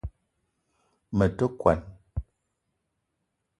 Me te kwuan